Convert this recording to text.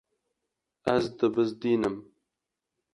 Ez dibizdînim.